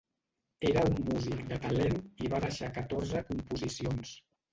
Era un músic de talent i va deixar catorze composicions.